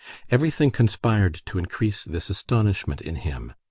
Everything conspired to increase this astonishment in him.